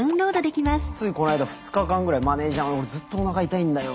ついこの間２日間ぐらいマネージャーに「ずっとおなか痛いんだよ。